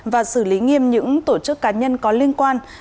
và xử lý nghiêm những tổ chức cá nhân có liên quan